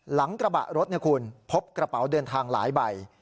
หลังกระบะรถคุณพบกระเป๋าเดินทางหลายใบ